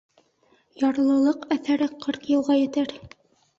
Ярлылыҡ әҫәре ҡырҡ йылға етер